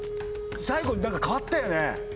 最後何か変わったよね？